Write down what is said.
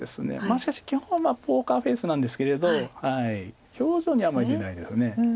しかし基本はポーカーフェースなんですけれど表情にはあんまり出ないです。